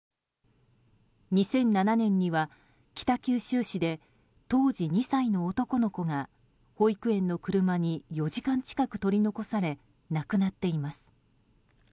２００７年には北九州市で当時２歳の男の子が保育園の車に４時間近く取り残され亡くなっています。